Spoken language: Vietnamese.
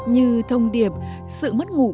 như thông điệp sự mất ngủ